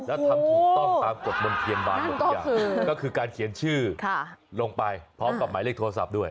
แล้วทำถูกต้องตามกฎมนเทียนบานหมดทุกอย่างก็คือการเขียนชื่อลงไปพร้อมกับหมายเลขโทรศัพท์ด้วย